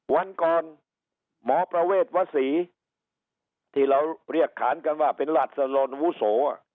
วันก่อนหมอประเวทวศรีที่เราเรียกขานกันว่าเป็นราชลนวุโส